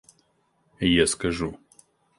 Я скажу.